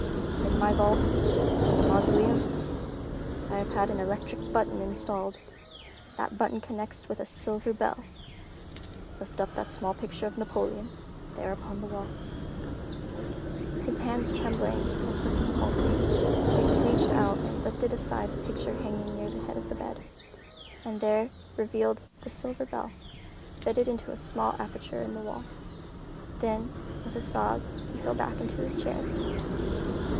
"In my vault—in the mausoleum, I have had an electric button installed. That button connects with a silver bell. Lift up that small picture of Napoleon, there upon the wall." His hands trembling as with the palsy, Biggs reached out and lifted aside the picture hanging near the head of the bed, and there revealed the silver bell, fitted into a small aperture in the wall. Then, with a sob, he fell back into his chair.